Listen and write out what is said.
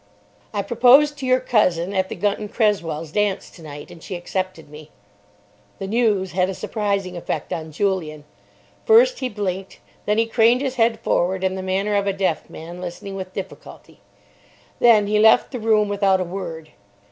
"I proposed to your cousin at the Gunton Cresswells's dance tonight, and she accepted me." The news had a surprising effect on Julian. First he blinked. Then he craned his head forward in the manner of a deaf man listening with difficulty. Then he left the room without a word.